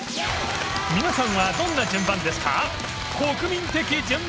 皆さんはどんな順番ですか？